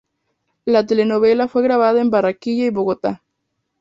La telenovela fue grabada en Barranquilla y Bogotá.